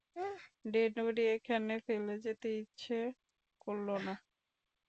ড়েড়বডি এখানে ফেলে রেখে যেতে ইচ্ছা করল না।